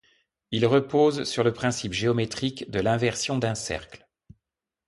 Il repose sur le principe géométrique de l'inversion d'un cercle.